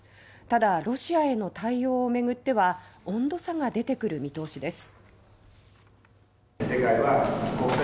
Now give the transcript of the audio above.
ただ、ロシアへの対応を巡っては温度差が出てくる見通しです。